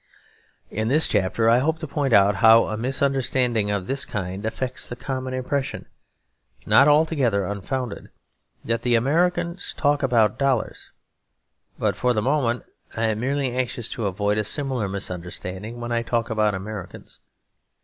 In this chapter I hope to point out how a misunderstanding of this kind affects the common impression, not altogether unfounded, that the Americans talk about dollars. But for the moment I am merely anxious to avoid a similar misunderstanding when I talk about Americans.